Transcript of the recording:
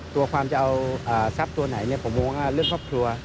ตัวความจะเอาทรัพย์ตัวไหนผมมองว่าเรื่องครอบครัว